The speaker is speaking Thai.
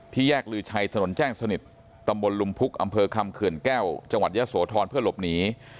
แยกลือชัยถนนแจ้งสนิทตำบลลุมพุกอำเภอคำเขื่อนแก้วจังหวัดยะโสธรเพื่อหลบหนี